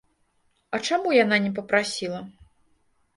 А чаму яна не папрасіла?